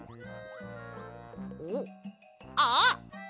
おっあっ！